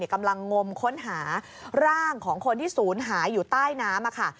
กำลังงมค้นหาร่างของคนที่ศูนย์หายอยู่ใต้น้ำค่ะ